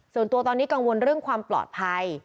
ส่วนตัวตอนนี้กังวลเรื่องความปลอดภัย